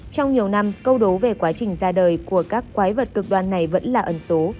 trong nhiều năm câu đố về quá trình ra đời của các quái vật cực đoan này vẫn là ẩn số